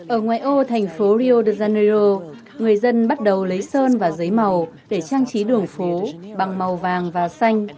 ở ngoài ô thành phố rio de janeiro người dân bắt đầu lấy sơn và giấy màu để trang trí đường phố bằng màu vàng và xanh